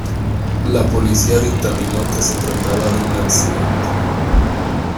La policía dictaminó que se trataba de un accidente.